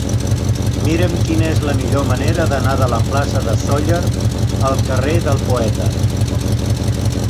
Mira'm quina és la millor manera d'anar de la plaça de Sóller al carrer del Poeta.